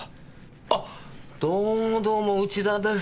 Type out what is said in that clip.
あっどうもどうも内田です。